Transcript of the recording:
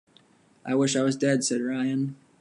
"I wish I was dead," said Ryan.